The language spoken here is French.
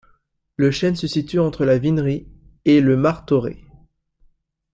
Le Chêne se situe entre la Vinerie et le Martorey.